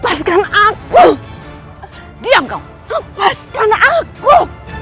kepaskan aku diam kau lepaskan aku